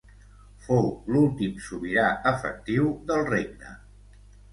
Fou l'últim sobirà efectiu del regne.